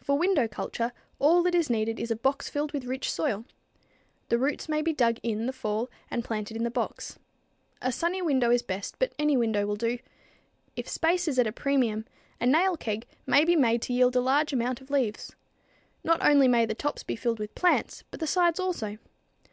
For window culture, all that is needed is a box filled with rich soil. The roots may be dug in the fall and planted in the box. A sunny window is best, but any window will do. If space is at a premium, a nail keg may be made to yield a large amount of leaves. Not only may the tops be filled with plants, but the sides also.